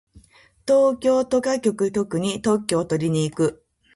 東京特許許可局に特許をとりに行く。